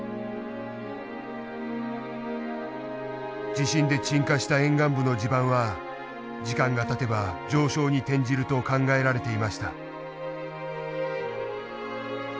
地震で沈下した沿岸部の地盤は時間がたてば上昇に転じると考えられていました。